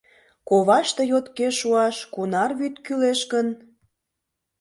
Коваште йокте шуаш кунар вӱд кӱлеш гын?